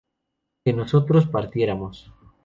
que nosotros partiéramos